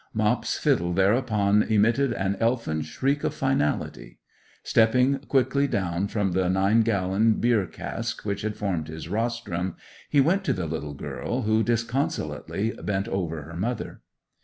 Mop's fiddle thereupon emitted an elfin shriek of finality; stepping quickly down from the nine gallon beer cask which had formed his rostrum, he went to the little girl, who disconsolately bent over her mother.